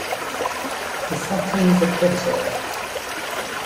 The settings are pretty.